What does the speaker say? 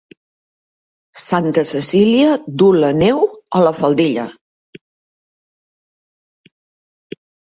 Santa Cecília duu la neu a la faldilla.